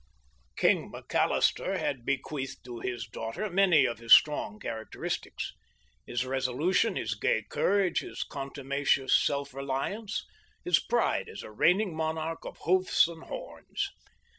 "King" McAllister had bequeathed to his daughter many of his strong characteristics—his resolution, his gay courage, his contumacious self reliance, his pride as a reigning monarch of hoofs and horns.